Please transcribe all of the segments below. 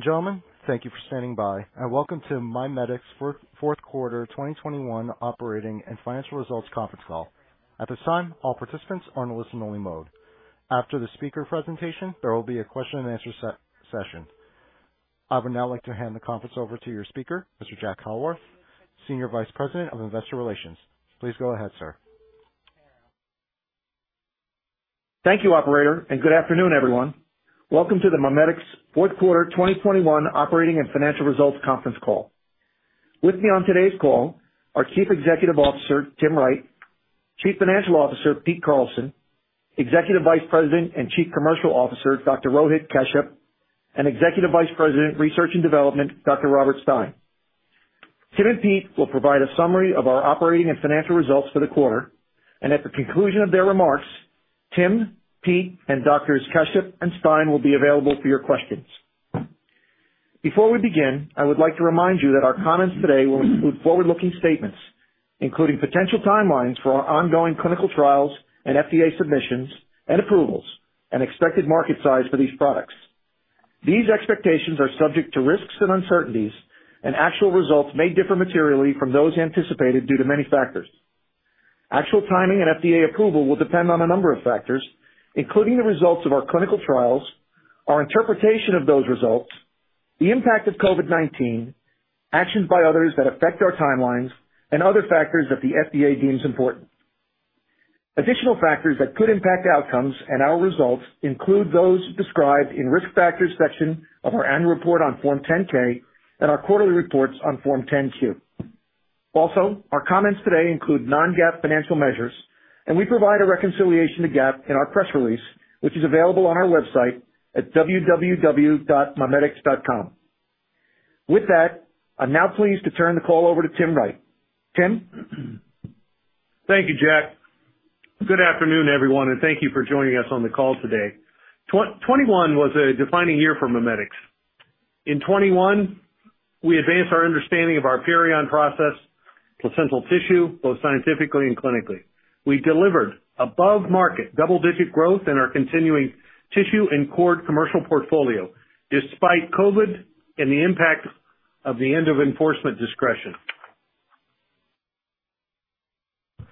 Gentlemen, thank you for standing by, and welcome to MiMedx fourth quarter 2021 operating and financial results conference call. At this time, all participants are in a listen-only mode. After the speaker presentation, there will be a question and answer session. I would now like to hand the conference over to your speaker, Mr. Jack Howarth, Senior Vice President of Investor Relations. Please go ahead, sir. Thank you, operator, and good afternoon, everyone. Welcome to the MiMedx fourth quarter 2021 operating and financial results conference call. With me on today's call are Chief Executive Officer Tim Wright, Chief Financial Officer Pete Carlson, Executive Vice President and Chief Commercial Officer Dr. Rohit Kashyap, and Executive Vice President, Research and Development, Dr. Robert Stein. Tim and Pete will provide a summary of our operating and financial results for the quarter, and at the conclusion of their remarks, Tim, Pete, and Doctors Kashyap and Stein will be available for your questions. Before we begin, I would like to remind you that our comments today will include forward-looking statements, including potential timelines for our ongoing clinical trials and FDA submissions and approvals and expected market size for these products. These expectations are subject to risks and uncertainties, and actual results may differ materially from those anticipated due to many factors. Actual timing and FDA approval will depend on a number of factors, including the results of our clinical trials, our interpretation of those results, the impact of COVID-19, actions by others that affect our timelines, and other factors that the FDA deems important. Additional factors that could impact outcomes and our results include those described in Risk Factors section of our annual report on Form 10-K and our quarterly reports on Form 10-Q. Also, our comments today include non-GAAP financial measures, and we provide a reconciliation to GAAP in our press release, which is available on our website at www.mimedx.com. With that, I'm now pleased to turn the call over to Tim Wright. Tim? Thank you, Jack. Good afternoon, everyone, and thank you for joining us on the call today. 2021 was a defining year for MiMedx. In 2021, we advanced our understanding of our PURION process, placental tissue, both scientifically and clinically. We delivered above-market double-digit growth in our continuing tissue and cord commercial portfolio despite COVID and the impact of the end of enforcement discretion.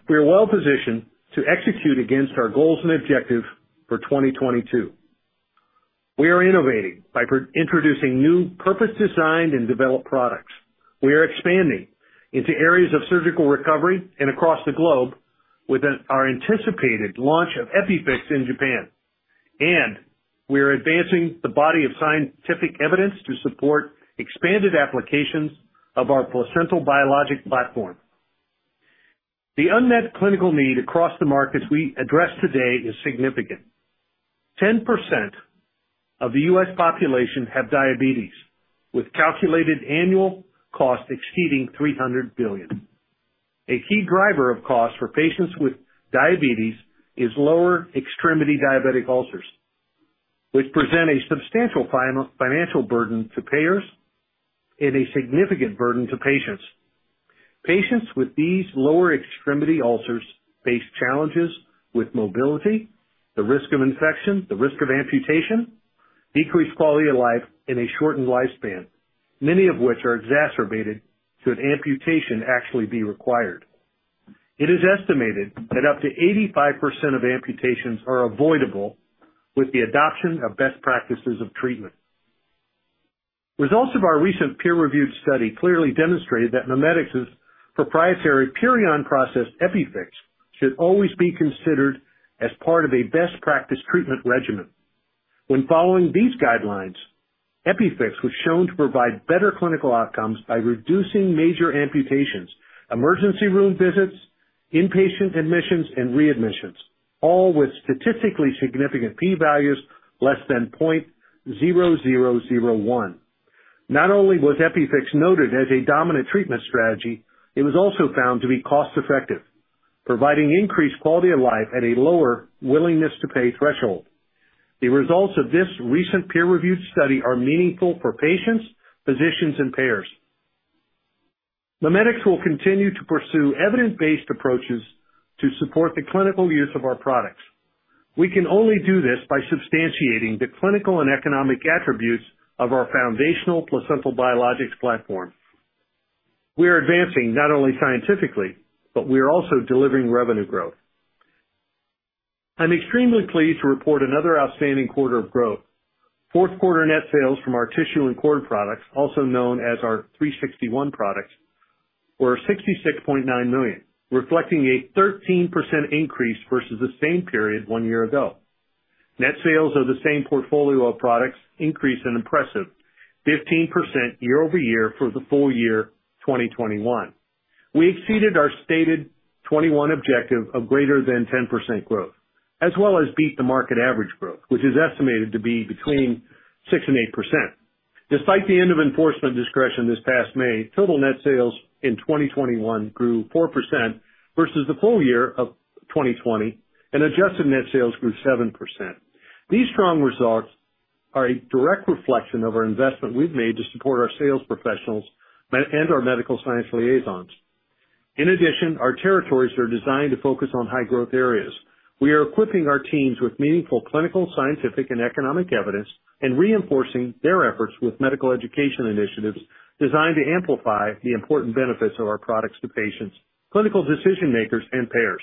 We are well-positioned to execute against our goals and objectives for 2022. We are innovating by introducing new purpose designed and developed products. We are expanding into areas of surgical recovery and across the globe with our anticipated launch of EpiFix in Japan, and we are advancing the body of scientific evidence to support expanded applications of our placental biologic platform. The unmet clinical need across the markets we address today is significant. 10% of the U.S. population have diabetes, with calculated annual cost exceeding $300 billion. A key driver of cost for patients with diabetes is lower extremity diabetic ulcers, which present a substantial financial burden to payers and a significant burden to patients. Patients with these lower extremity ulcers face challenges with mobility, the risk of infection, the risk of amputation, decreased quality of life, and a shortened lifespan, many of which are exacerbated should amputation actually be required. It is estimated that up to 85% of amputations are avoidable with the adoption of best practices of treatment. Results of our recent peer-reviewed study clearly demonstrated that MiMedx's proprietary PURION process, EpiFix, should always be considered as part of a best practice treatment regimen. When following these guidelines, EpiFix was shown to provide better clinical outcomes by reducing major amputations, emergency room visits, inpatient admissions, and readmissions, all with statistically significant P values less than 0.0001. Not only was EpiFix noted as a dominant treatment strategy, it was also found to be cost-effective, providing increased quality of life at a lower willingness to pay threshold. The results of this recent peer-reviewed study are meaningful for patients, physicians, and payers. MiMedx will continue to pursue evidence-based approaches to support the clinical use of our products. We can only do this by substantiating the clinical and economic attributes of our foundational placental biologics platform. We are advancing not only scientifically, but we are also delivering revenue growth. I'm extremely pleased to report another outstanding quarter of growth. Fourth quarter net sales from our tissue and cord products, also known as our 361 products, were $66.9 million, reflecting a 13% increase versus the same period one year ago. Net sales of the same portfolio of products increased an impressive 15% year-over-year for the full year 2021. We exceeded our stated 2021 objective of greater than 10% growth, as well as beat the market average growth, which is estimated to be between 6% and 8%. Despite the end of enforcement discretion this past May, total net sales in 2021 grew 4% versus the full year of 2020, and adjusted net sales grew 7%. These strong results are a direct reflection of our investment we've made to support our sales professionals and our medical science liaisons. In addition, our territories are designed to focus on high growth areas. We are equipping our teams with meaningful clinical, scientific, and economic evidence and reinforcing their efforts with medical education initiatives designed to amplify the important benefits of our products to patients, clinical decision-makers, and payers.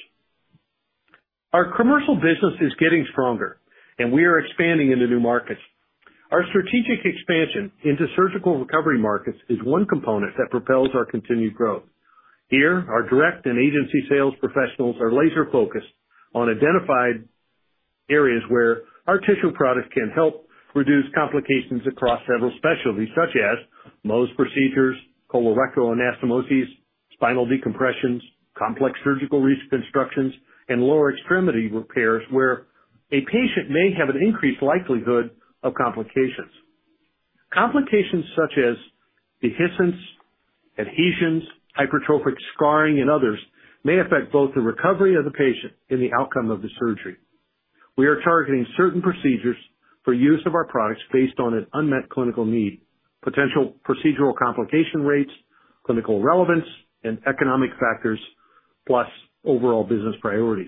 Our commercial business is getting stronger, and we are expanding into new markets. Our strategic expansion into surgical recovery markets is one component that propels our continued growth. Here, our direct and agency sales professionals are laser-focused on identified areas where our tissue products can help reduce complications across several specialties, such as Mohs procedures, colorectal anastomosis, spinal decompressions, complex surgical reconstructions, and lower extremity repairs, where a patient may have an increased likelihood of complications. Complications such as dehiscence, adhesions, hypertrophic scarring, and others may affect both the recovery of the patient and the outcome of the surgery. We are targeting certain procedures for use of our products based on an unmet clinical need, potential procedural complication rates, clinical relevance, and economic factors, plus overall business priorities.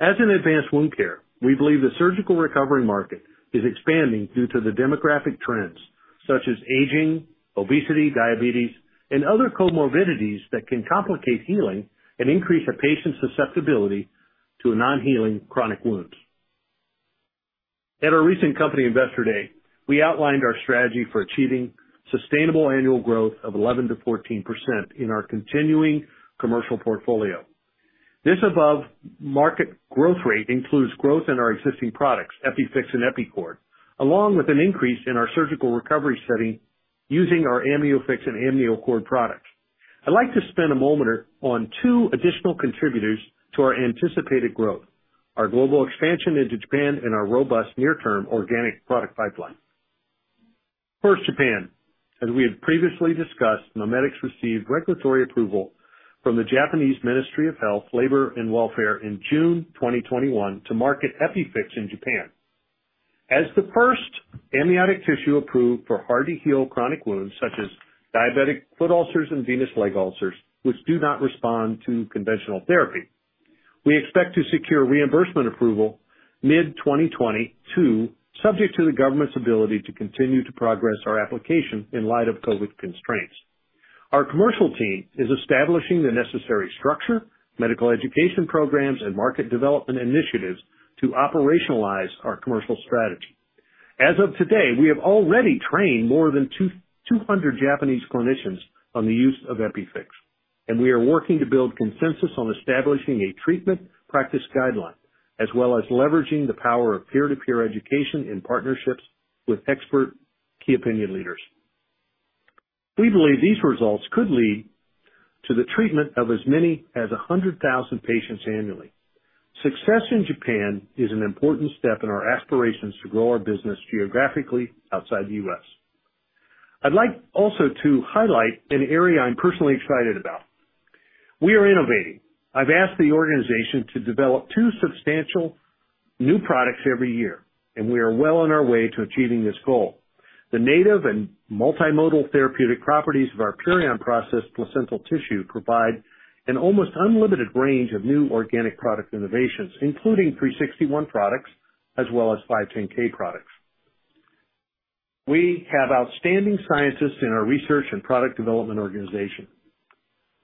As an advanced wound care, we believe the surgical recovery market is expanding due to the demographic trends such as aging, obesity, diabetes, and other comorbidities that can complicate healing and increase a patient's susceptibility to non-healing chronic wounds. At our recent company Investor Day, we outlined our strategy for achieving sustainable annual growth of 11%-14% in our continuing commercial portfolio. This above-market growth rate includes growth in our existing products, EpiFix and EpiCord, along with an increase in our surgical recovery setting using our AmnioFix and AmnioCord products. I'd like to spend a moment on two additional contributors to our anticipated growth, our global expansion into Japan and our robust near-term organic product pipeline. First, Japan. As we have previously discussed, MiMedx received regulatory approval from the Japanese Ministry of Health, Labor, and Welfare in June 2021 to market EpiFix in Japan. As the first amniotic tissue approved for hard-to-heal chronic wounds such as diabetic foot ulcers and venous leg ulcers, which do not respond to conventional therapy, we expect to secure reimbursement approval mid-2022, subject to the government's ability to continue to progress our application in light of COVID constraints. Our commercial team is establishing the necessary structure, medical education programs, and market development initiatives to operationalize our commercial strategy. As of today, we have already trained more than 200 Japanese clinicians on the use of EpiFix, and we are working to build consensus on establishing a treatment practice guideline, as well as leveraging the power of peer-to-peer education in partnerships with expert key opinion leaders. We believe these results could lead to the treatment of as many as 100,000 patients annually. Success in Japan is an important step in our aspirations to grow our business geographically outside the U.S. I'd like also to highlight an area I'm personally excited about. We are innovating. I've asked the organization to develop two substantial new products every year, and we are well on our way to achieving this goal. The native and multimodal therapeutic properties of our PURION process placental tissue provide an almost unlimited range of new organic product innovations, including Section 361 products as well as 510(k) products. We have outstanding scientists in our research and product development organization.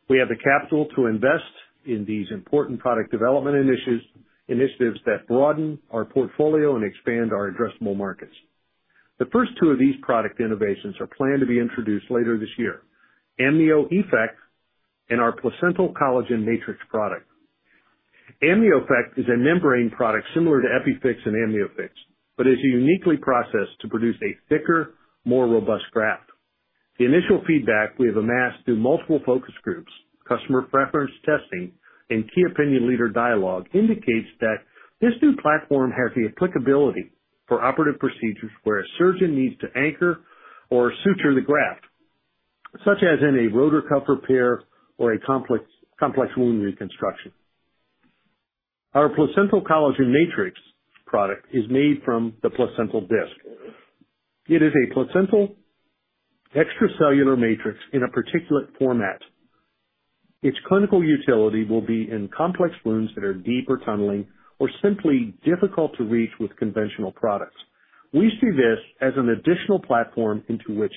We have the capital to invest in these important product development initiatives that broaden our portfolio and expand our addressable markets. The first two of these product innovations are planned to be introduced later this year, AmnioEffect and our placental collagen matrix product. AmnioEffect is a membrane product similar to EpiFix and AmnioFix, but is uniquely processed to produce a thicker, more robust graft. The initial feedback we have amassed through multiple focus groups, customer preference testing, and key opinion leader dialogue indicates that this new platform has the applicability for operative procedures where a surgeon needs to anchor or suture the graft, such as in a rotator cuff repair or a complex wound reconstruction. Our placental collagen matrix product is made from the placental disk. It is a placental extracellular matrix in a particulate format. Its clinical utility will be in complex wounds that are deep or tunneling or simply difficult to reach with conventional products. We see this as an additional platform into which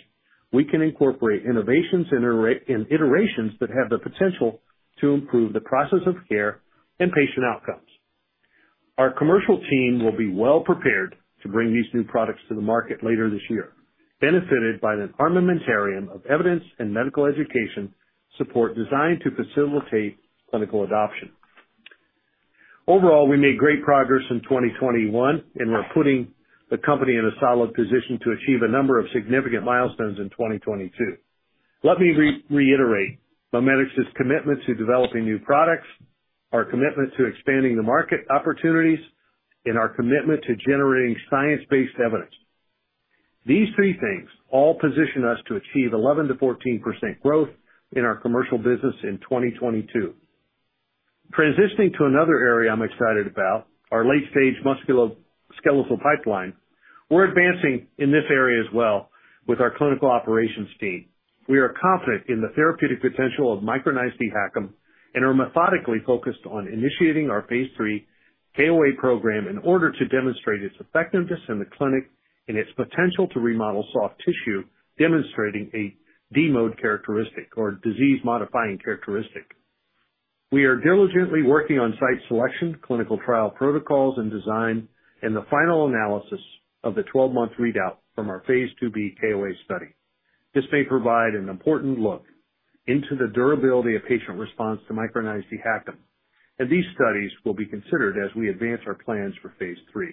we can incorporate innovations and iterations that have the potential to improve the process of care and patient outcomes. Our commercial team will be well-prepared to bring these new products to the market later this year, benefited by an armamentarium of evidence and medical education support designed to facilitate clinical adoption. Overall, we made great progress in 2021, and we're putting the company in a solid position to achieve a number of significant milestones in 2022. Let me reiterate MiMedx's commitment to developing new products, our commitment to expanding the market opportunities, and our commitment to generating science-based evidence. These three things all position us to achieve 11%-14% growth in our commercial business in 2022. Transitioning to another area I'm excited about, our late-stage musculoskeletal pipeline. We're advancing in this area as well with our clinical operations team. We are confident in the therapeutic potential of micronized dHACM and are methodically focused on initiating our phase III KOA program in order to demonstrate its effectiveness in the clinic and its potential to remodel soft tissue, demonstrating a DMOD characteristic or disease-modifying characteristic. We are diligently working on site selection, clinical trial protocols, and design, and the final analysis of the 12-month readout from our phase IIb KOA study. This may provide an important look into the durability of patient response to micronized dHACM, and these studies will be considered as we advance our plans for phase III.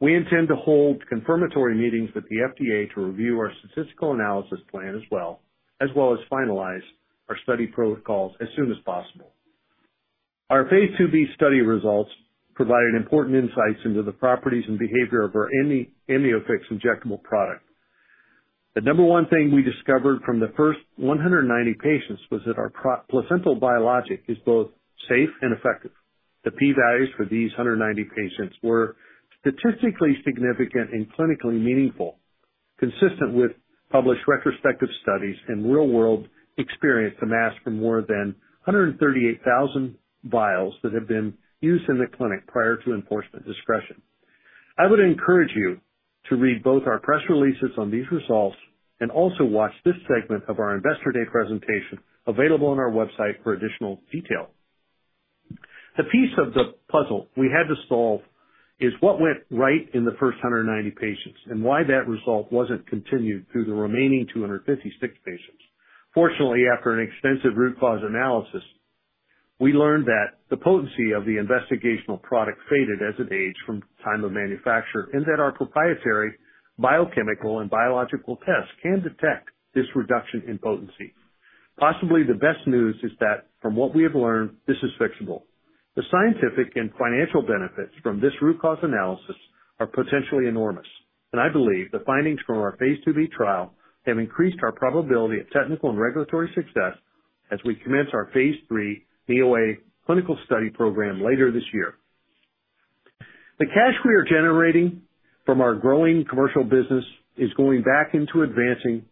We intend to hold confirmatory meetings with the FDA to review our statistical analysis plan as well as finalize our study protocols as soon as possible. Our phase IIb study results provided important insights into the properties and behavior of our AmnioFix Injectable product. The number one thing we discovered from the first 190 patients was that our placental biologic is both safe and effective. The P values for these 190 patients were statistically significant and clinically meaningful, consistent with published retrospective studies and real-world experience amassed from more than 138,000 vials that have been used in the clinic prior to enforcement discretion. I would encourage you to read both our press releases on these results and also watch this segment of our Investor Day presentation available on our website for additional detail. The piece of the puzzle we had to solve is what went right in the first 190 patients and why that result wasn't continued through the remaining 256 patients. Fortunately, after an extensive root cause analysis, we learned that the potency of the investigational product faded as it aged from time of manufacture, and that our proprietary biochemical and biological tests can detect this reduction in potency. Possibly the best news is that from what we have learned, this is fixable. The scientific and financial benefits from this root cause analysis are potentially enormous, and I believe the findings from our phase IIb trial have increased our probability of technical and regulatory success as we commence our phase III KOA clinical study program later this year. The cash we are generating from our growing commercial business is going back into advancing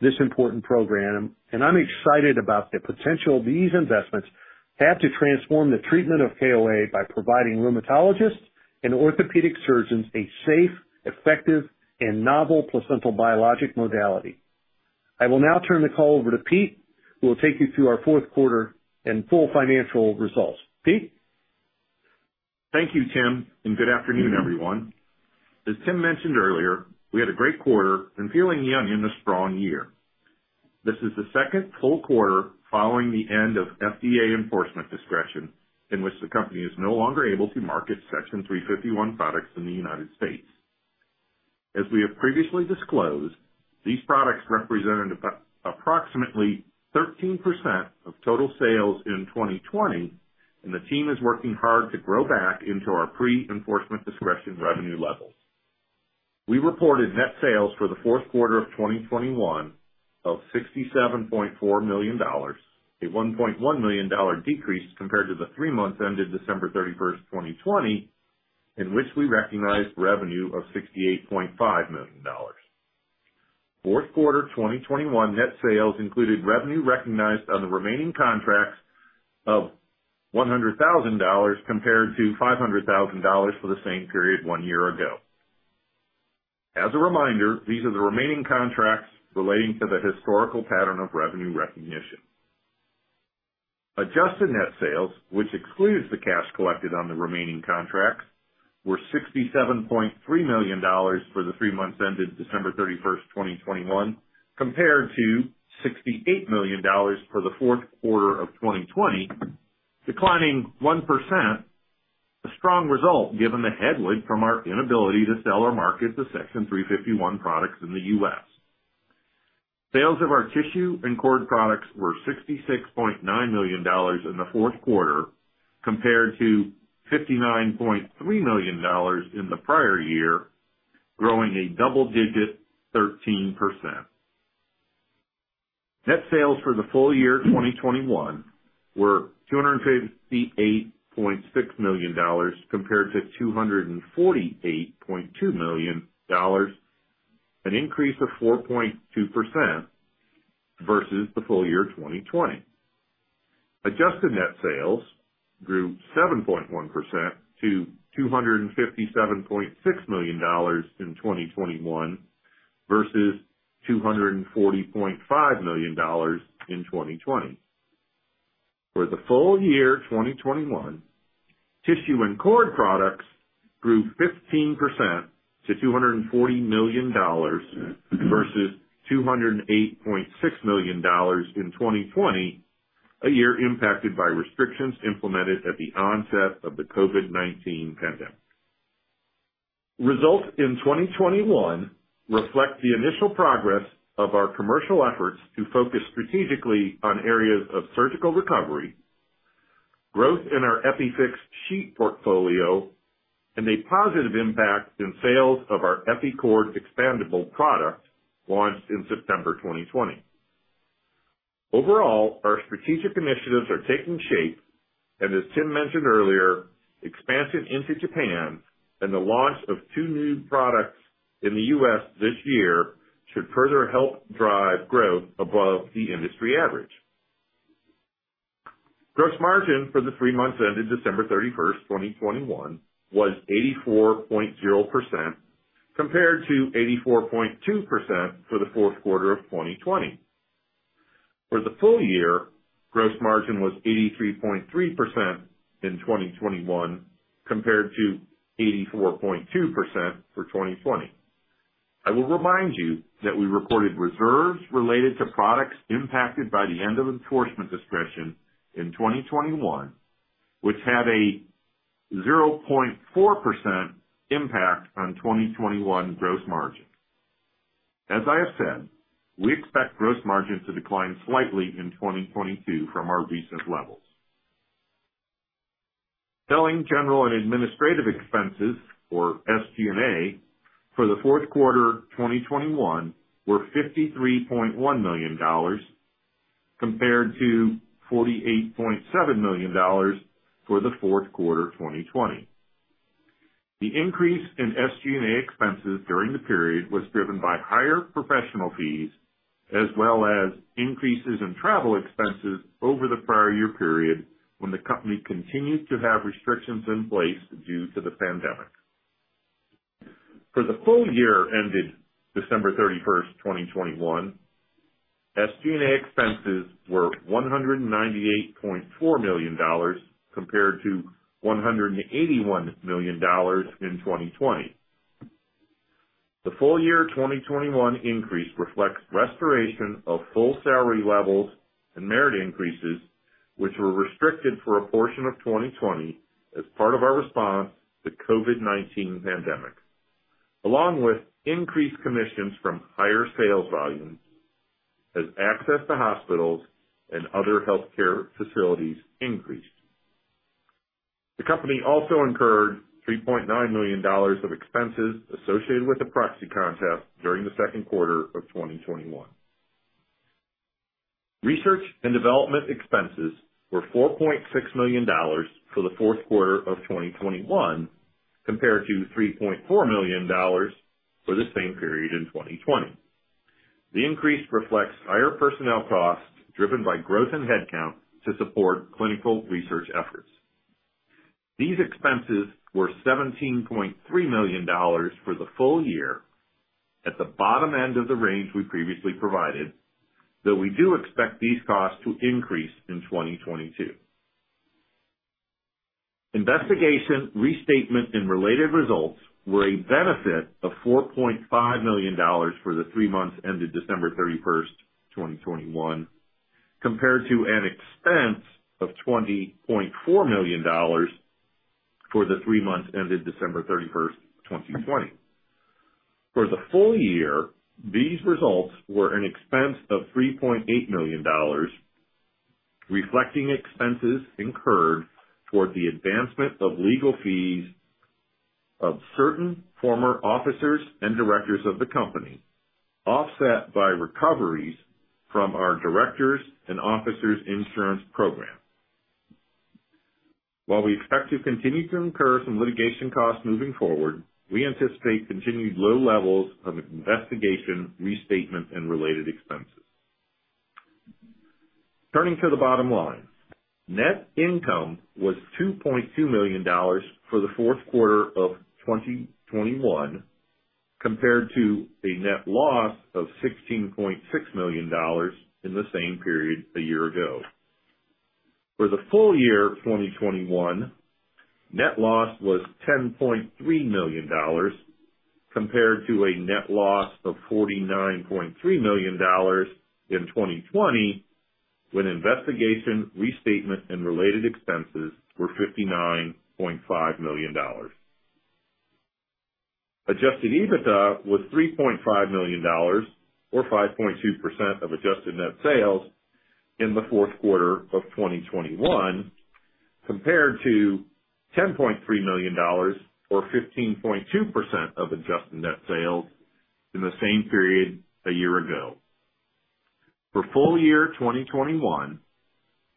this important program, and I'm excited about the potential these investments have to transform the treatment of KOA by providing rheumatologists and orthopedic surgeons a safe, effective, and novel placental biologic modality. I will now turn the call over to Pete, who will take you through our fourth quarter and full financial results. Pete? Thank you, Tim, and good afternoon, everyone. As Tim mentioned earlier, we had a great quarter and we're feeling good in this strong year. This is the second full quarter following the end of FDA enforcement discretion, in which the company is no longer able to market Section 351 products in the United States. As we have previously disclosed, these products represented about approximately 13% of total sales in 2020, and the team is working hard to grow back into our pre-enforcement discretion revenue levels. We reported net sales for the fourth quarter of 2021 of $67.4 million, a $1.1 million decrease compared to the three months ended December 31, 2020, in which we recognized revenue of $68.5 million. Fourth quarter 2021 net sales included revenue recognized on the remaining contracts of $100,000 compared to $500,000 for the same period one year ago. As a reminder, these are the remaining contracts relating to the historical pattern of revenue recognition. Adjusted net sales, which excludes the cash collected on the remaining contracts, were $67.3 million for the three months ended December 31, 2021, compared to $68 million for the fourth quarter of 2020, declining 1%, a strong result given the headwind from our inability to sell or market the Section 351 products in the U.S. Sales of our tissue and cord products were $66.9 million in the fourth quarter, compared to $59.3 million in the prior year, growing a double-digit 13%. Net sales for the full year 2021 were $258.6 million compared to $248.2 million, an increase of 4.2% versus the full year 2020. Adjusted net sales grew 7.1% to $257.6 million in 2021 versus $240.5 million in 2020. For the full year 2021, tissue and cord products grew 15% to $240 million versus $208.6 million in 2020, a year impacted by restrictions implemented at the onset of the COVID-19 pandemic. Results in 2021 reflect the initial progress of our commercial efforts to focus strategically on areas of surgical recovery. Growth in our EpiFix sheet portfolio. A positive impact in sales of our EpiCord expandable product launched in September 2020. Overall, our strategic initiatives are taking shape, and as Tim mentioned earlier, expansion into Japan and the launch of two new products in the U.S. this year should further help drive growth above the industry average. Gross margin for the three months ending December 31, 2021 was 84.0%, compared to 84.2% for the fourth quarter of 2020. For the full year, gross margin was 83.3% in 2021, compared to 84.2% for 2020. I will remind you that we reported reserves related to products impacted by the end of enforcement discretion in 2021, which had a 0.4% impact on 2021 gross margin. As I have said, we expect gross margin to decline slightly in 2022 from our recent levels. Selling, general, and administrative expenses, or SG&A, for the fourth quarter 2021 were $53.1 million compared to $48.7 million for the fourth quarter 2020. The increase in SG&A expenses during the period was driven by higher professional fees as well as increases in travel expenses over the prior year period when the company continued to have restrictions in place due to the pandemic. For the full year ended December 31, 2021, SG&A expenses were $198.4 million compared to $181 million in 2020. The full year 2021 increase reflects restoration of full salary levels and merit increases, which were restricted for a portion of 2020 as part of our response to COVID-19 pandemic, along with increased commissions from higher sales volumes as access to hospitals and other healthcare facilities increased. The company also incurred $3.9 million of expenses associated with the proxy contest during the second quarter of 2021. Research and development expenses were $4.6 million for the fourth quarter of 2021, compared to $3.4 million for the same period in 2020. The increase reflects higher personnel costs driven by growth in headcount to support clinical research efforts. These expenses were $17.3 million for the full year, at the bottom end of the range we previously provided, though we do expect these costs to increase in 2022. Investigation, restatement, and related results were a benefit of $4.5 million for the three months ended December 31, 2021, compared to an expense of $20.4 million for the three months ended December 31, 2020. For the full year, these results were an expense of $3.8 million, reflecting expenses incurred toward the advancement of legal fees of certain former officers and directors of the company, offset by recoveries from our directors and officers insurance program. While we expect to continue to incur some litigation costs moving forward, we anticipate continued low levels of investigation, restatement, and related expenses. Turning to the bottom line. Net income was $2.2 million for the fourth quarter of 2021, compared to a net loss of $16.6 million in the same period a year ago. For the full year of 2021, net loss was $10.3 million, compared to a net loss of $49.3 million in 2020 when investigation, restatement, and related expenses were $59.5 million. Adjusted EBITDA was $3.5 million or 5.2% of adjusted net sales in the fourth quarter of 2021, compared to $10.3 million or 15.2% of adjusted net sales in the same period a year ago. For full year 2021,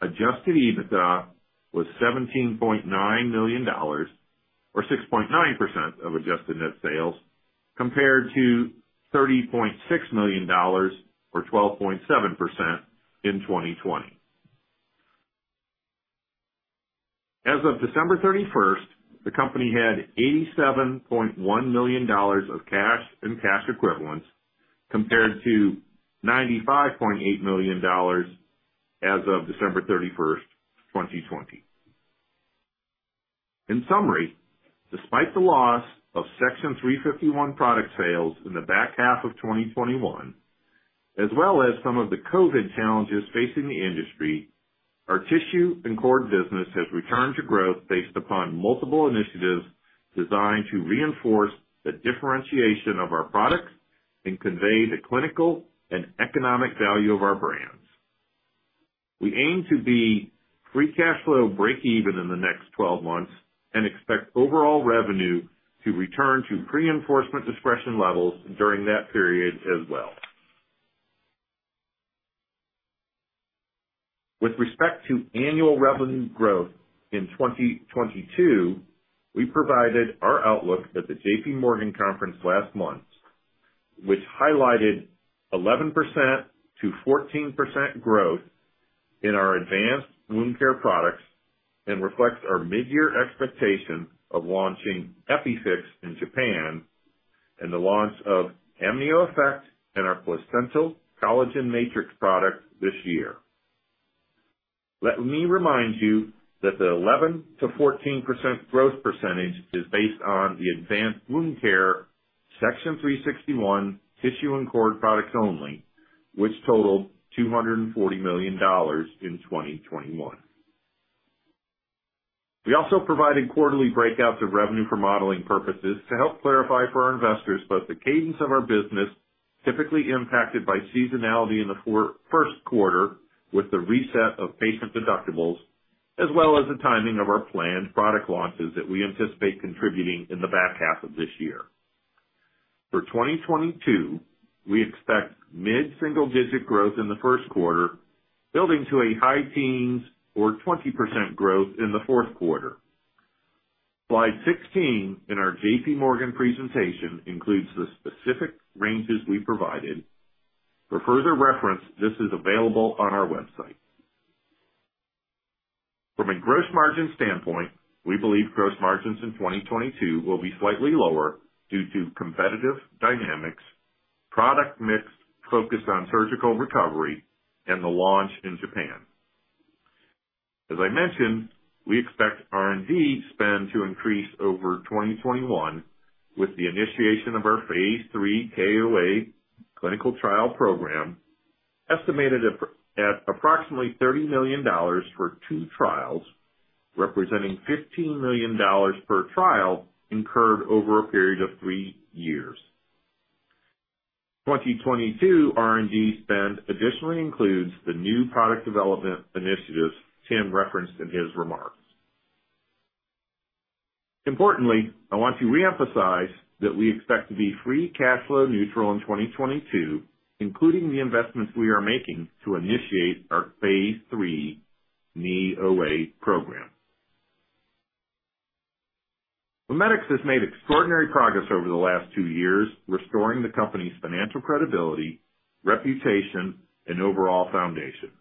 adjusted EBITDA was $17.9 million or 6.9% of adjusted net sales, compared to $30.6 million or 12.7% in 2020. As of December 31, the company had $87.1 million of cash and cash equivalents, compared to $95.8 million as of December 31, 2020. In summary, despite the loss of Section 351 product sales in the back half of 2021, as well as some of the COVID challenges facing the industry, our tissue and cord business has returned to growth based upon multiple initiatives designed to reinforce the differentiation of our products and convey the clinical and economic value of our brand. We aim to be free cash flow breakeven in the next 12 months and expect overall revenue to return to pre-enforcement discretion levels during that period as well. With respect to annual revenue growth in 2022, we provided our outlook at the JP Morgan conference last month, which highlighted 11%-14% growth in our advanced wound care products and reflects our mid-year expectation of launching EpiFix in Japan and the launch of AmnioEffect and our placental collagen matrix product this year. Let me remind you that the 11%-14% growth percentage is based on the advanced wound care Section 361 tissue and cord products only, which totaled $240 million in 2021. We also provided quarterly breakouts of revenue for modeling purposes to help clarify for our investors both the cadence of our business, typically impacted by seasonality in the first quarter with the reset of patient deductibles, as well as the timing of our planned product launches that we anticipate contributing in the back half of this year. For 2022, we expect mid-single-digit growth in the first quarter, building to a high teens or 20% growth in the fourth quarter. Slide 16 in our JP Morgan presentation includes the specific ranges we provided. For further reference, this is available on our website. From a gross margin standpoint, we believe gross margins in 2022 will be slightly lower due to competitive dynamics, product mix focused on surgical recovery, and the launch in Japan. As I mentioned, we expect R&D spend to increase over 2021 with the initiation of our phase III KOA clinical trial program, estimated at approximately $30 million for two trials, representing $15 million per trial incurred over a period of three years. 2022 R&D spend additionally includes the new product development initiatives Tim referenced in his remarks. Importantly, I want to reemphasize that we expect to be free cash flow neutral in 2022, including the investments we are making to initiate our phase III knee OA program. MiMedx has made extraordinary progress over the last two years, restoring the company's financial credibility, reputation, and overall foundation.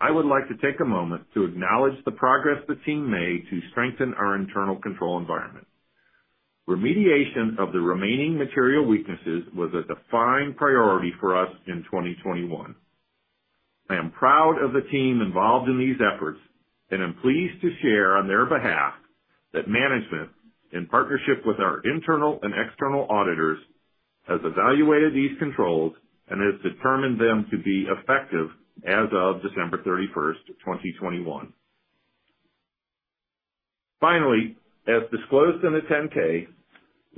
I would like to take a moment to acknowledge the progress the team made to strengthen our internal control environment. Remediation of the remaining material weaknesses was a defined priority for us in 2021. I am proud of the team involved in these efforts and am pleased to share on their behalf that management, in partnership with our internal and external auditors, has evaluated these controls and has determined them to be effective as of December 31, 2021. Finally, as disclosed in the 10-K,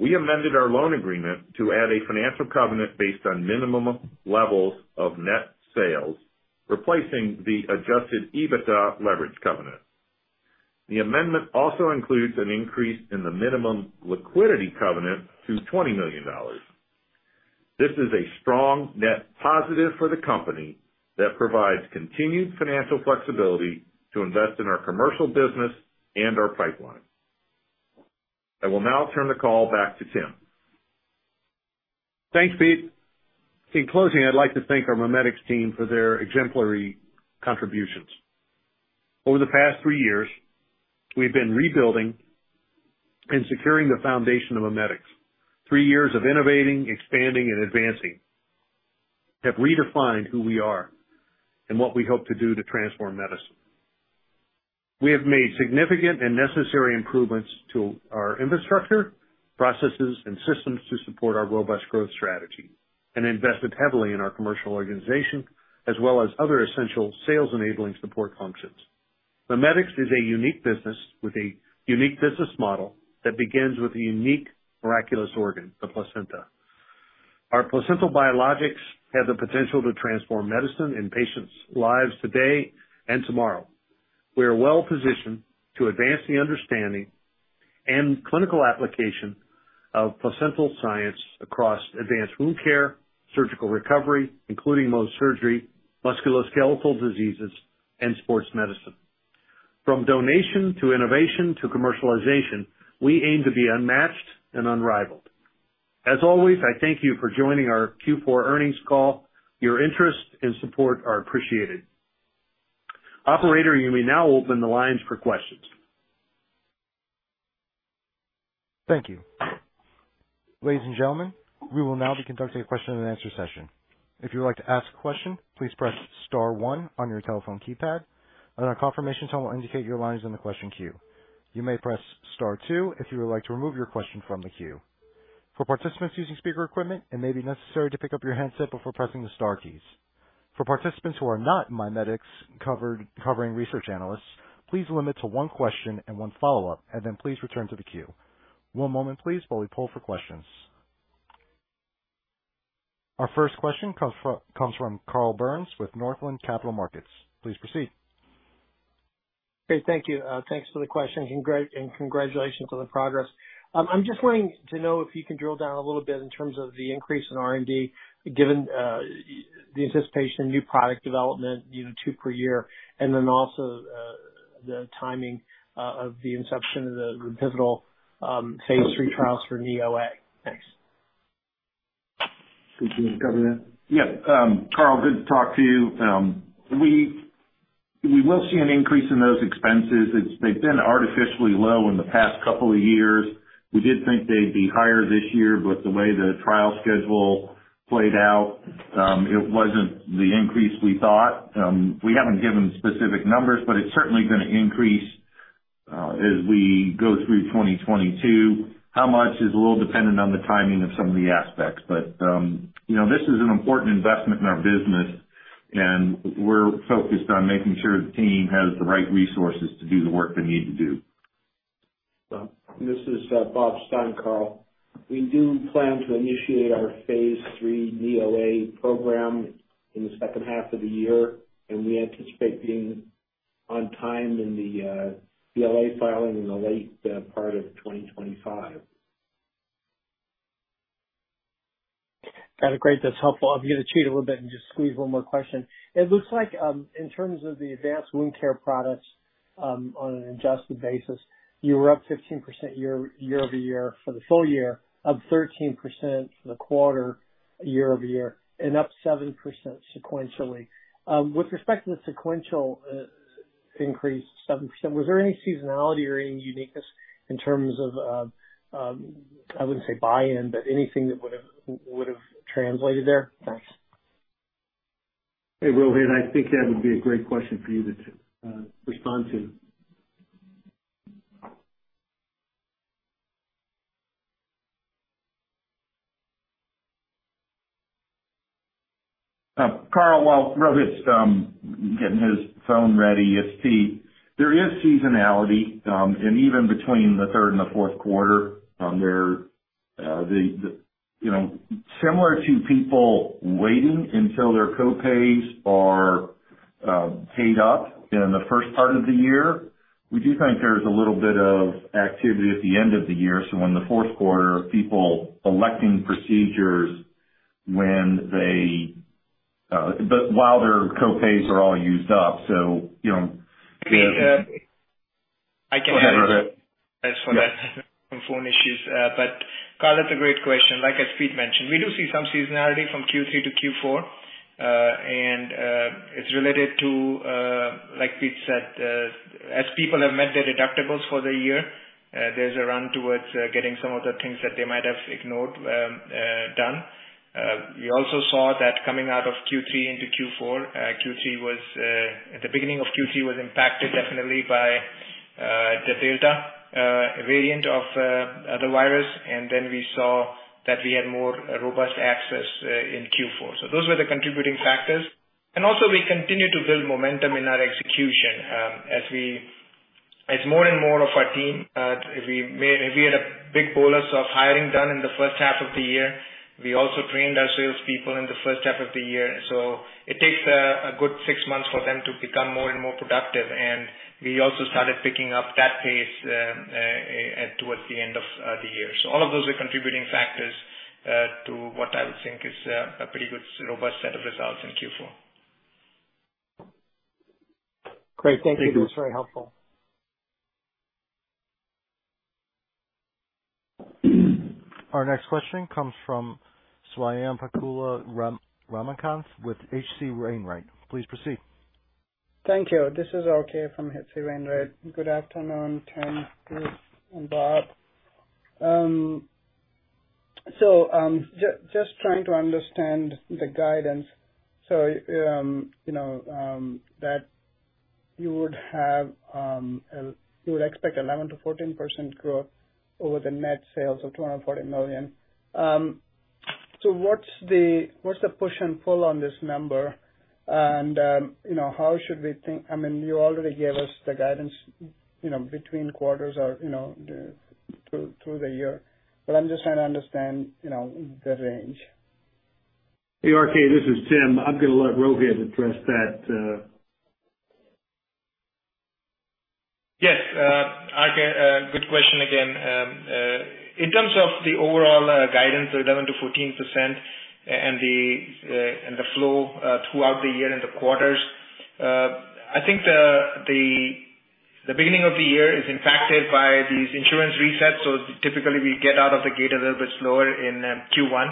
we amended our loan agreement to add a financial covenant based on minimum levels of net sales, replacing the adjusted EBITDA leverage covenant. The amendment also includes an increase in the minimum liquidity covenant to $20 million. This is a strong net positive for the company that provides continued financial flexibility to invest in our commercial business and our pipeline. I will now turn the call back to Tim. Thanks, Pete. In closing, I'd like to thank our MiMedx team for their exemplary contributions. Over the past three years, we've been rebuilding and securing the foundation of MiMedx. Three years of innovating, expanding, and advancing have redefined who we are and what we hope to do to transform medicine. We have made significant and necessary improvements to our infrastructure, processes, and systems to support our robust growth strategy. Invested heavily in our commercial organization as well as other essential sales-enabling support functions. MiMedx is a unique business with a unique business model that begins with a unique miraculous organ, the placenta. Our placental biologics have the potential to transform medicine and patients' lives today and tomorrow. We are well positioned to advance the understanding and clinical application of placental science across advanced wound care, surgical recovery, including Mohs surgery, musculoskeletal diseases, and sports medicine. From donation to innovation to commercialization, we aim to be unmatched and unrivaled. As always, I thank you for joining our Q4 earnings call. Your interest and support are appreciated. Operator, you may now open the lines for questions. Thank you. Ladies and gentlemen, we will now be conducting a question and answer session. If you would like to ask a question, please press star one on your telephone keypad, and a confirmation tone will indicate your line is in the question queue. You may press star two if you would like to remove your question from the queue. For participants using speaker equipment, it may be necessary to pick up your handset before pressing the star keys. For participants who are not MiMedx covering research analysts, please limit to one question and one follow-up, and then please return to the queue. One moment please while we poll for questions. Our first question comes from Carl Byrnes with Northland Capital Markets. Please proceed. Hey, thank you. Thanks for the question and great and congratulations on the progress. I'm just wanting to know if you can drill down a little bit in terms of the increase in R&D, given the anticipation of new product development, you know, two per year, and then also the timing of the inception of the pivotal phase III trials for NeoA. Thanks. Think you can cover that? Yeah, Carl Byrnes, good to talk to you. We will see an increase in those expenses. They've been artificially low in the past couple of years. We did think they'd be higher this year, but the way the trial schedule played out, it wasn't the increase we thought. We haven't given specific numbers, but it's certainly gonna increase as we go through 2022. How much is a little dependent on the timing of some of the aspects. You know, this is an important investment in our business, and we're focused on making sure the team has the right resources to do the work they need to do. This is Bob Stein, Carl. We do plan to initiate our phase III NeoA program in the second half of the year, and we anticipate being on time in the BLA filing in the late part of 2025. Got it. Great. That's helpful. I'm gonna cheat a little bit and just squeeze one more question. It looks like, in terms of the advanced wound care products, on an adjusted basis, you were up 15% year-over-year for the full year, up 13% for the quarter year-over-year, and up 7% sequentially. With respect to the sequential increase, 7%, was there any seasonality or any uniqueness in terms of, I wouldn't say buy-in, but anything that would've translated there? Thanks. Hey, Rohit, I think that would be a great question for you to respond to. Carl, while Rohit's getting his phone ready, it's Pete. There is seasonality and even between the third and the fourth quarter, you know, similar to people waiting until their co-pays are paid up in the first part of the year. We do think there's a little bit of activity at the end of the year, so in the fourth quarter, of people electing procedures when they but while their co-pays are all used up. You know. Pete, I can- Go ahead, Rohit. Sorry about that. Yes. Some phone issues. Carl, it's a great question. Like as Pete mentioned, we do see some seasonality from Q3 to Q4. It's related to, like Pete said, as people have met their deductibles for the year, there's a run towards getting some of the things that they might have ignored, done. We also saw that coming out of Q3 into Q4. The beginning of Q3 was definitely impacted by the Delta variant of the virus. We saw that we had more robust access in Q4. Those were the contributing factors. We continue to build momentum in our execution, as we, as more and more of our team, we had a big bolus of hiring done in the first half of the year. We also trained our salespeople in the first half of the year. It takes a good six months for them to become more and more productive. We also started picking up that pace towards the end of the year. All of those are contributing factors to what I would think is a pretty good robust set of results in Q4. Great. Thank you. Thank you. That was very helpful. Our next question comes from Swayampakula Ramakanth with H.C. Wainwright. Please proceed. Thank you. This is RK from H.C. Wainwright. Good afternoon, Tim, Pete, and Bob. Just trying to understand the guidance. You would expect 11%-14% growth over the net sales of $240 million. What's the push and pull on this number? You know, how should we think? I mean, you already gave us the guidance, you know, between quarters or, you know, through the year. I'm just trying to understand, you know, the range. Hey, RK, this is Tim. I'm gonna let Rohit address that. Yes, RK, good question again. In terms of the overall guidance of 11%-14% and the flow throughout the year and the quarters, I think the beginning of the year is impacted by these insurance resets. Typically we get out of the gate a little bit slower in Q1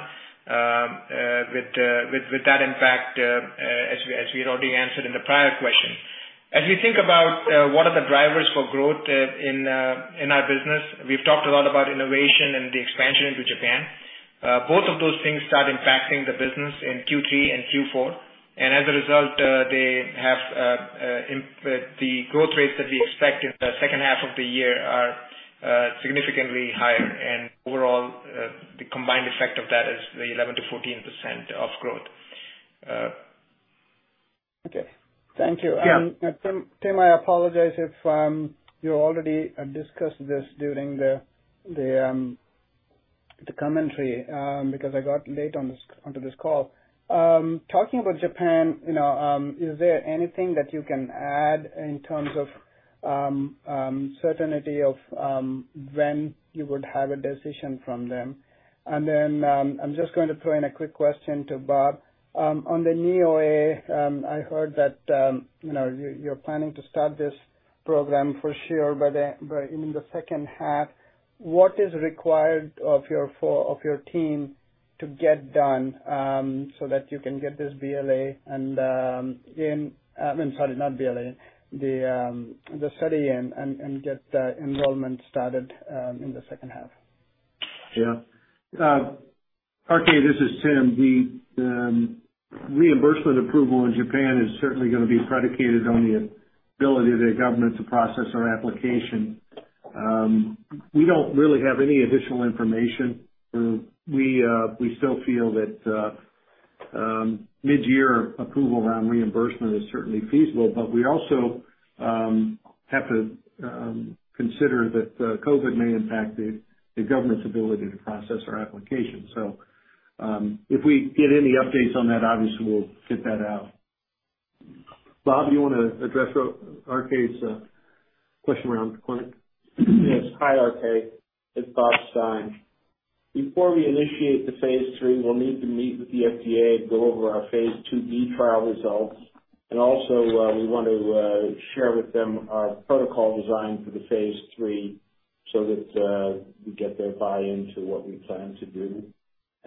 with that impact, as we had already answered in the prior question. As we think about what are the drivers for growth in our business, we've talked a lot about innovation and the expansion into Japan. Both of those things start impacting the business in Q3 and Q4. As a result, the growth rates that we expect in the second half of the year are significantly higher. Overall, the combined effect of that is the 11%-14% growth. Okay. Thank you. Yeah. Tim, I apologize if you already discussed this during the commentary because I got late onto this call. Talking about Japan, you know, is there anything that you can add in terms of certainty of when you would have a decision from them? Then, I'm just going to throw in a quick question to Bob. On the NeoA, I heard that, you know, you're planning to start this program for sure in the second half. What is required of your team to get done so that you can get this BLA and in... I mean, sorry, not BLA. The study in and get the enrollment started in the second half? Yeah. RK, this is Tim. The reimbursement approval in Japan is certainly gonna be predicated on the ability of their government to process our application. We don't really have any additional information. We still feel that mid-year approval around reimbursement is certainly feasible. We also have to consider that COVID may impact the government's ability to process our application. If we get any updates on that, obviously we'll get that out. Bob, you wanna address RK's question around the clinical? Yes. Hi, RK. It's Bob Stein. Before we initiate the phase III, we'll need to meet with the FDA and go over our phase IIb trial results. Also, we want to share with them our protocol design for the phase III so that we get their buy-in to what we plan to do.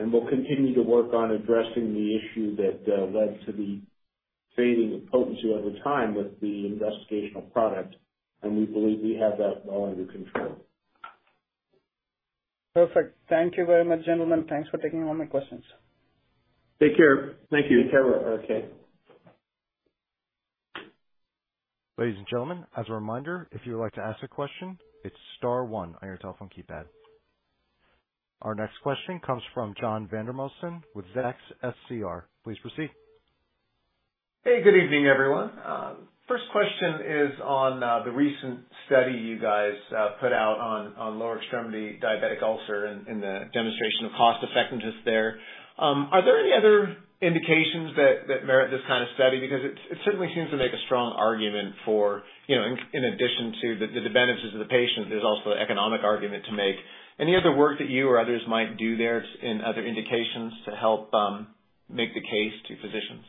We'll continue to work on addressing the issue that led to the fading of potency over time with the investigational product, and we believe we have that well under control. Perfect. Thank you very much, gentlemen. Thanks for taking all my questions. Take care. Thank you. Take care, RK. Ladies and gentlemen, as a reminder, if you would like to ask a question, it's star one on your telephone keypad. Our next question comes from John Vandermosten with Zacks Small Cap Research. Please proceed. Hey, good evening, everyone. First question is on the recent study you guys put out on lower extremity diabetic ulcer and the demonstration of cost-effectiveness there. Are there any other indications that merit this kind of study? Because it certainly seems to make a strong argument for, you know, in addition to the benefits to the patient, there's also an economic argument to make. Any other work that you or others might do there in other indications to help make the case to physicians?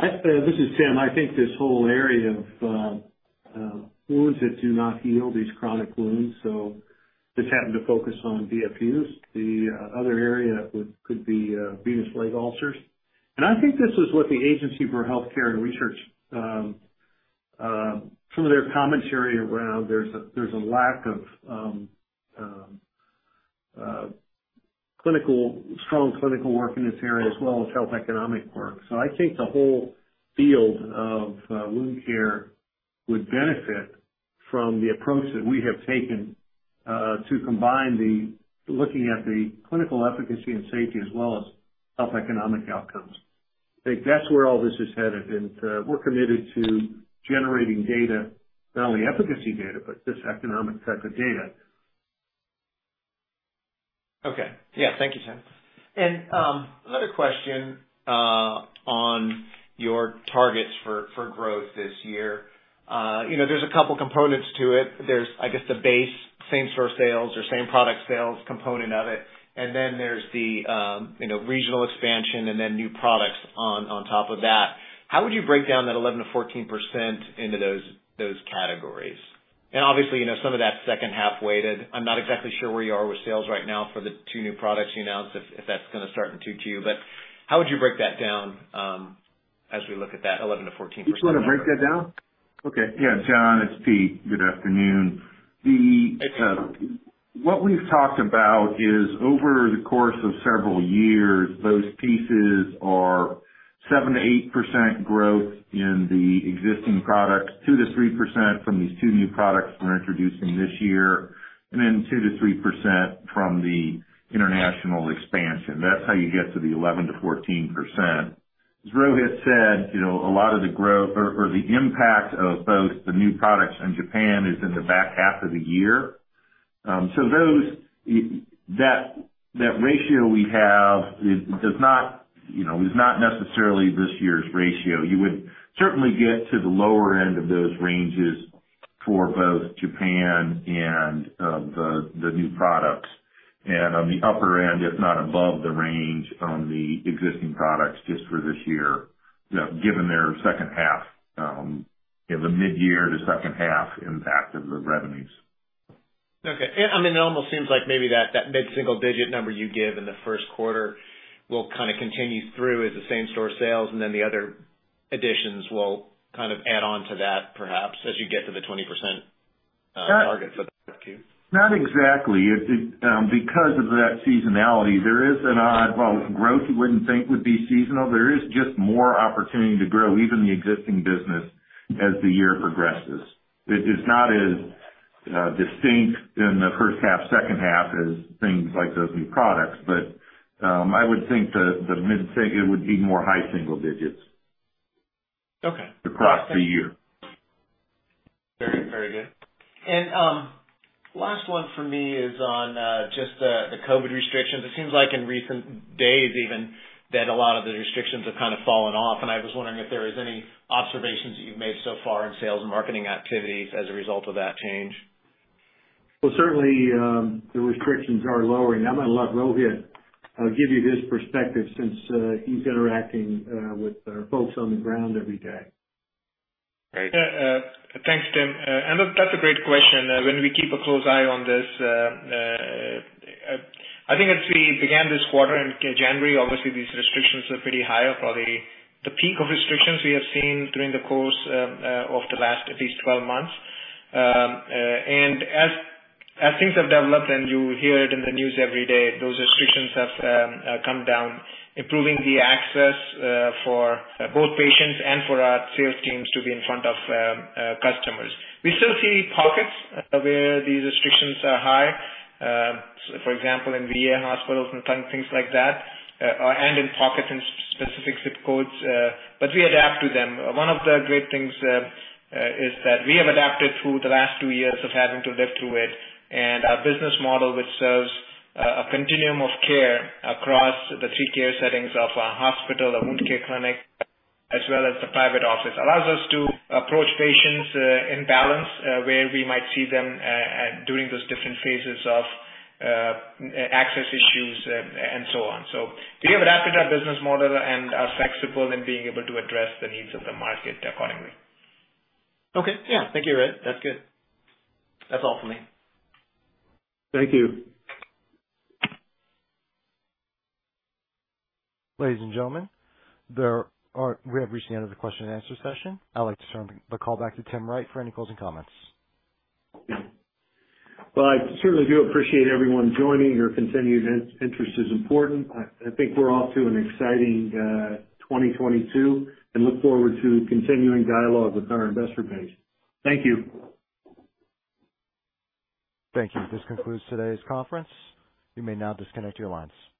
This is Tim. I think this whole area of wounds that do not heal, these chronic wounds, so this happened to focus on DFUs. The other area could be venous leg ulcers. I think this is what the Agency for Healthcare Research and Quality, some of their commentary around there's a lack of strong clinical work in this area as well as health economic work. I think the whole field of wound care would benefit from the approach that we have taken to combine the looking at the clinical efficacy and safety as well as health economic outcomes. I think that's where all this is headed, and we're committed to generating data, not only efficacy data, but this economic type of data. Okay. Yeah. Thank you, Tim. Another question on your targets for growth this year. You know, there's a couple components to it. There's, I guess, the base same store sales or same product sales component of it, and then there's the you know, regional expansion and then new products on top of that. How would you break down that 11%-14% into those categories? Obviously, you know, some of that's second half weighted. I'm not exactly sure where you are with sales right now for the two new products you announced, if that's gonna start in 2022. But how would you break that down as we look at that 11%-14% number? Who's gonna break that down? Okay. Yeah, John, it's Pete. Good afternoon. Thanks, Pete. What we've talked about is over the course of several years, those pieces are 7%-8% growth in the existing products, 2%-3% from these two new products we're introducing this year, and then 2%-3% from the international expansion. That's how you get to the 11%-14%. As Rohit said, you know, a lot of the growth or the impact of both the new products in Japan is in the back half of the year. So that ratio we have is not, you know, necessarily this year's ratio. You would certainly get to the lower end of those ranges for both Japan and the new products. On the upper end, if not above the range on the existing products just for this year, you know, given their second half, you know, the mid-year to second half impact of the revenues. Okay. I mean, it almost seems like maybe that mid-single digit number you give in the first quarter will kind of continue through as the same store sales, and then the other additions will kind of add on to that perhaps as you get to the 20% target for the Not exactly. Because of that seasonality, there is well, growth you wouldn't think would be seasonal. There is just more opportunity to grow even the existing business as the year progresses. It is not as- Distinct in the first half, second half is things like those new products. I would think the mid-single, it would be more high single digits. Okay. Across the year. Very, very good. Last one for me is on just the COVID restrictions. It seems like in recent days even that a lot of the restrictions have kind of fallen off, and I was wondering if there is any observations that you've made so far in sales and marketing activities as a result of that change. Well, certainly, the restrictions are lowering. I'm gonna let Rohit give you his perspective since he's interacting with our folks on the ground every day. Great. Yeah. Thanks, Tim. That's a great question. When we keep a close eye on this, I think as we began this quarter in January, obviously these restrictions were pretty high. Probably the peak of restrictions we have seen during the course of the last at least 12 months. As things have developed and you hear it in the news every day, those restrictions have come down, improving the access for both patients and for our sales teams to be in front of customers. We still see pockets where these restrictions are high, for example, in VA hospitals and things like that, and in pockets in specific zip codes, but we adapt to them. One of the great things is that we have adapted through the last two years of having to live through it. Our business model, which serves a continuum of care across the three care settings of a hospital, a wound care clinic, as well as the private office, allows us to approach patients in balance, where we might see them during those different phases of access issues and so on. We have adapted our business model and are flexible in being able to address the needs of the market accordingly. Okay. Yeah. Thank you, Rohit. That's good. That's all for me. Thank you. Ladies and gentlemen, we have reached the end of the question and answer session. I'd like to turn the call back to Tim Wright for any closing comments. Yeah. Well, I certainly do appreciate everyone joining. Your continued interest is important. I think we're off to an exciting 2022 and look forward to continuing dialogue with our investor base. Thank you. Thank you. This concludes today's conference. You may now disconnect your lines.